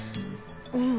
うん。